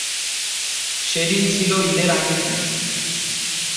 সেদিন ছিল ঈদের আগের দিন।